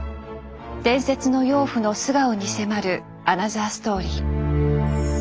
伝説の妖婦の素顔に迫るアナザーストーリー。